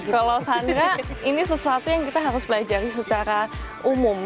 kalau sandra ini sesuatu yang kita harus pelajari secara umum